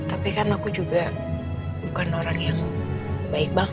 tapi kan aku juga bukan orang yang baik banget